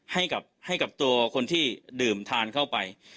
ให้กับตัวคนที่ดื่มทานเข้าไป